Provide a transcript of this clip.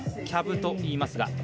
キャブといいますが。